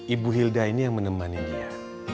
ibu hilda ini yang menemani dia